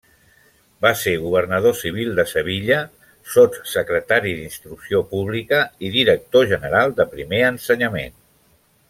Va ser Governador Civil de Sevilla, Sotssecretari d'Instrucció Pública i Director General de Primer Ensenyament.